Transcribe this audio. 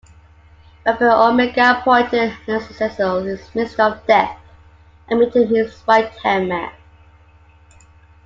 Weapon Omega appointed Azazel his Minister of Death and made him his right-hand man.